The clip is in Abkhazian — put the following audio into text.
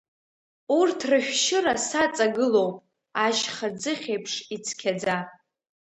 Урҭ рышәшьыра саҵагылоуп, ашьха ӡыхь еиԥш ицқьаӡа.